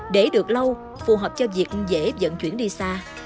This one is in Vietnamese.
để được lâu phù hợp cho việc dễ dẫn chuyển đi xa